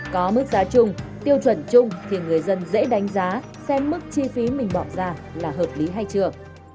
có mức giá chung tiêu chuẩn chung thì người dân dễ đánh giá xem mức chi phí mình bỏ ra là hợp lý hay chưa